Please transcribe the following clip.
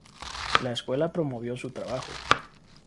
La escuela promovió su trabajo.